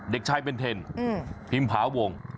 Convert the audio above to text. เด็กชายเป็นเธนพิ้งภาวง